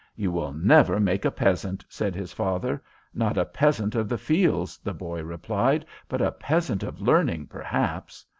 'You will never make a peasant,' said his father. 'Not a peasant of the fields,' the boy replied, 'but a peasant of learning, perhaps.